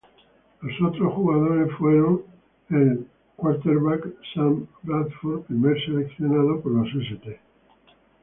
Los otros jugadores fueron el quarterback Sam Bradford, primer seleccionado por los St.